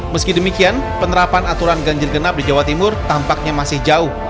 meski demikian penerapan aturan ganjil genap di jawa timur tampaknya masih jauh